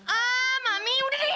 ah mami udah deh